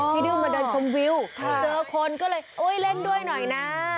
ดื้อมาเดินชมวิวเจอคนก็เลยโอ๊ยเล่นด้วยหน่อยนะ